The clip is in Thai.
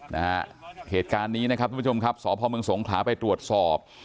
นะฮะเหตุการณ์นี้นะครับทุกผู้ชมครับสพเมืองสงขลาไปตรวจสอบ